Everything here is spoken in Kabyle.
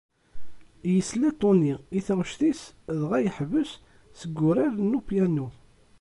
Yesla Tony i taɣect-is dɣa yeḥbes seg urar n upyanu.